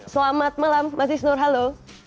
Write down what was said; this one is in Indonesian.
selamat malam mas isnur halo